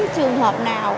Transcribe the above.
trường hợp nào